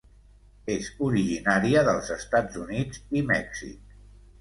És originària dels Estats Units i Mèxic.